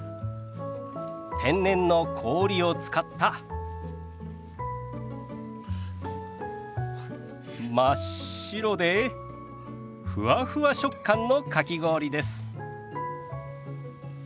天然の氷を使った真っ白でふわふわ食感のかき氷です。